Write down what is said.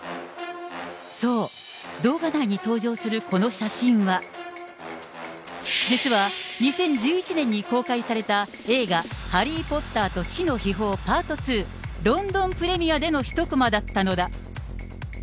そう、動画内に登場するこの写真は、実は、２０１１年に公開された映画、ハリー・ポッターと死の秘宝パート２、ロンドンプレミアでの１こまだったのだ。